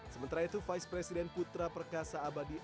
sementara itu vice president putra perkasa abadi